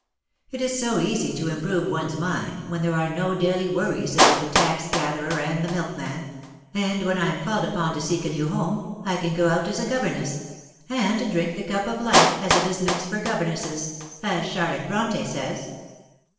It is so easy to improve one's mind when there are no daily worries about the tax gatherer and the milkman — and when I am called upon to seek a new home,, I can go out as a governess — and drink the cup of life as it is mixed for governesses — as Charlotte Bronte says.